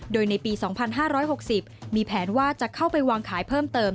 โดยในปี๒๕๖๐มีแผนว่าจะเข้าไปวางขายเพิ่มเติม